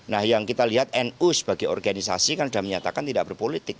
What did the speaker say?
nah yang kita lihat nu sebagai organisasi kan sudah menyatakan tidak berpolitik